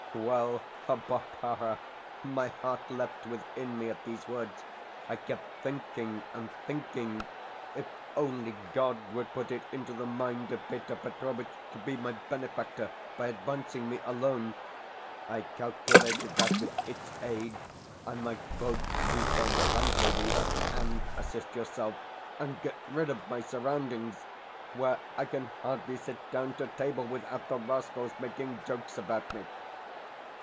Well, Barbara, my heart leapt within me at these words. I kept thinking and thinking, if only God would put it into the mind of Peter Petrovitch to be my benefactor by advancing me a loan! I calculated that with its aid I might both repay my landlady and assist yourself and get rid of my surroundings (where I can hardly sit down to table without the rascals making jokes about me).